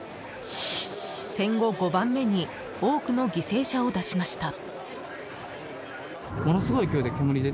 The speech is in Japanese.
戦後５番目に多くの犠牲者を出しました。